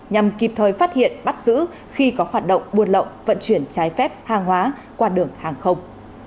nhằm kịp thời phát hiện bắt giữ khi có hoạt động buôn lậu vận chuyển trái phép hàng hóa qua đường hàng không